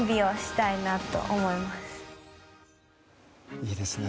いいですね。